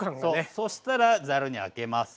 そしたらざるにあけます。